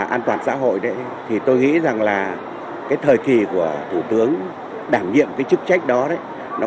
an toàn xã hội tôi nghĩ là thời kỳ của thủ tướng đảm nhiệm chức trách đó